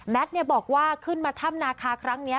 บอกว่าขึ้นมาถ้ำนาคาครั้งนี้